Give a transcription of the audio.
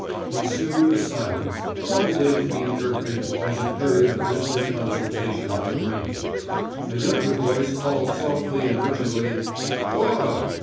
Ensued a silence, probably to be interpreted as a period of whispered consultation out of range; a younger voice called softly and urgently, "Laura!"